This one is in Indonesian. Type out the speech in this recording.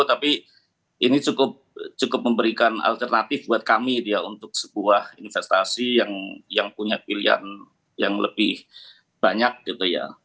tapi ini cukup memberikan alternatif buat kami dia untuk sebuah investasi yang punya pilihan yang lebih banyak gitu ya